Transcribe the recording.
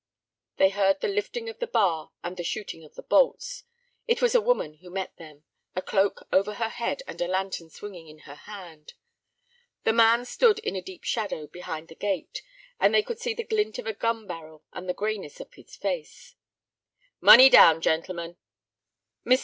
They heard the lifting of the bar and the shooting of the bolts. It was a woman who met them—a cloak over her head and a lantern swinging in her hand. The man stood in a deep shadow behind the gate, and they could see the glint of a gun barrel and the grayness of his face. "Money down, gentlemen." Mr.